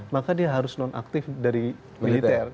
maka dia harus non aktif dari militer